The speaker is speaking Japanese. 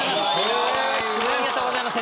ありがとうございます。